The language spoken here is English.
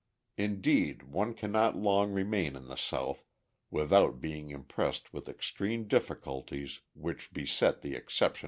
Indeed one cannot long remain in the South without being impressed with extreme difficulties which beset the exceptional coloured man.